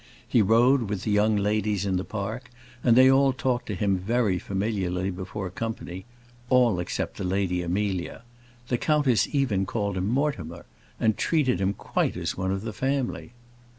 He rode with the young ladies in the park, and they all talked to him very familiarly before company; all except the Lady Amelia. The countess even called him Mortimer, and treated him quite as one of the family.